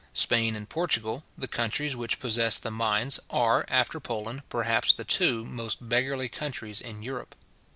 Spain and Portugal, the countries which possess the mines, are, after Poland, perhaps the two most beggarly countries in Europe.